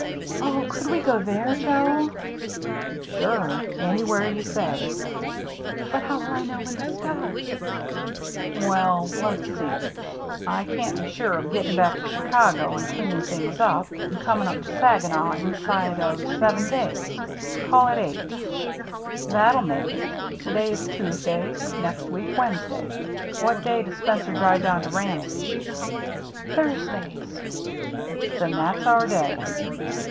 " Oh, could we go there, Joe ?"" Sure, anywhere you say." " But, how'll I know when to start ?"" Well, let's see. I can't be sure of getting back to Chicago, and cleaning things up, and coming up to Saginaw inside of seven days. Call it eight; that'll make it — to day's Tuesday — next week Wednesday. What day does Spencer drive down to Ramsey ?"" Thursdays." " Then that's our day.